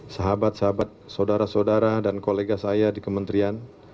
sahabat sahabat saudara saudara dan kolega saya di kementerian